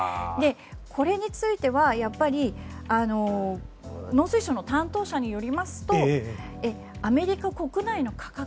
これについては農水省の担当者によりますとアメリカ国内の価格